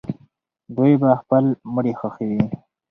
دوی به خپل مړي ښخوي.